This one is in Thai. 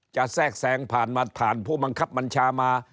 แทรกแซงผ่านมาผ่านผู้บังคับบัญชามา